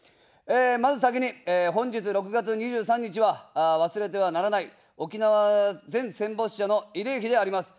まず先に、本日６月２３日は忘れてはならない沖縄全戦没者の慰霊日であります。